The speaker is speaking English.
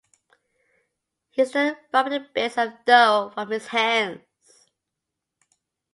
He stood rubbing the bits of dough from his hands.